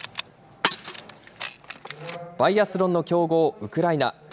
バイアスロンの強豪、ウクライナ。